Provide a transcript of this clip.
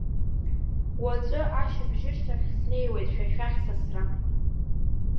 Уаҵәы ашьыбжьышьҭахь снеиуеит шәа шәахь сасра!